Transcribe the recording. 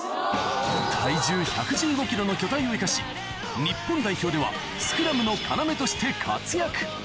体重１１５ｋｇの巨体を生かし日本代表ではスクラムの要として活躍